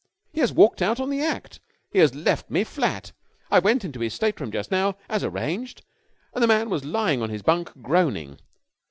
He has walked out on the act! He has left me flat! I went into his stateroom just now, as arranged, and the man was lying on his bunk, groaning."